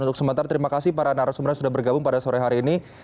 untuk sementara terima kasih para narasumber yang sudah bergabung pada sore hari ini